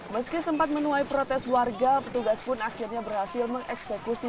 meski sempat menuai protes warga petugas pun akhirnya berhasil mengeksekusi